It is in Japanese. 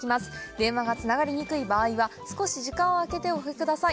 電話がつながりにくい場合は少し時間をあけておかけください。